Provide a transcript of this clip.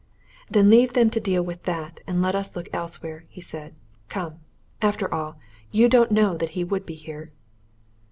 "Then leave them to deal with that, and let us look elsewhere," he said. "Come after all, you don't know that he would be here."